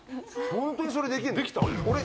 本当にそれできるの？